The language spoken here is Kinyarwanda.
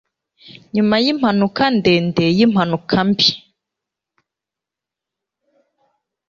Nyuma yimpanuka ndende yimpanuka mbi